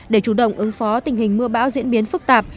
để chủ động ứng phó tình hình mưa bão diễn biến phức tạp